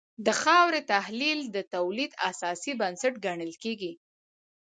د خاورې تحلیل د تولید اساسي بنسټ ګڼل کېږي.